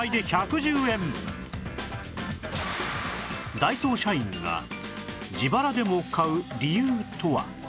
ダイソー社員が自腹でも買う理由とは？